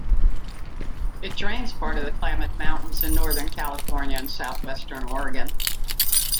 It drains part of the Klamath Mountains in northern California and southwestern Oregon.